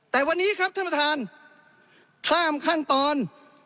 แต่วันนี้ครับท่านประธานข้ามขั้นตอน